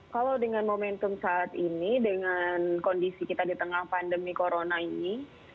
kalau dengan momentum saat ini dengan kondisi kita di tengah pandemi corona ini